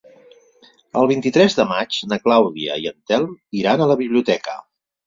El vint-i-tres de maig na Clàudia i en Telm iran a la biblioteca.